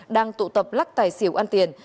đang tụ tập lắc tài xỉu ăn tiền